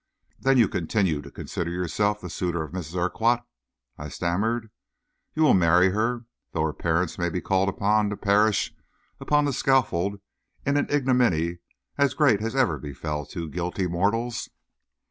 "Then you continue to consider yourself the suitor of Miss Urquhart," I stammered. "You will marry her, though her parents may be called upon to perish upon the scaffold in an ignominy as great as ever befell two guilty mortals?"